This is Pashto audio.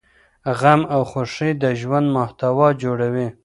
غم او خوښي د ژوند محتوا جوړوي.